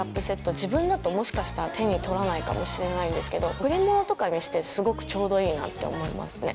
自分だともしかしたら手に取らないかもしれないんですけど贈り物とかにしてすごくちょうどいいなって思いますね。